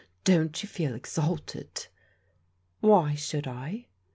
Don't you feel exalted? "*' Why should I